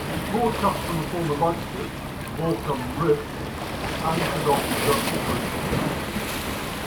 It broadcast from a former lightship "Borkum Riff" anchored off the Dutch coastline.